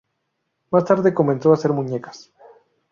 Más tarde comenzó a hacer muñecas.